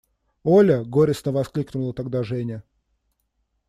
– Оля! – горестно воскликнула тогда Женя.